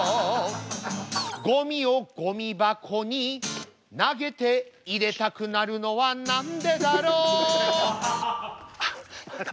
ごみをごみ箱に投げて入れたくなるのはなんでだろうあっ。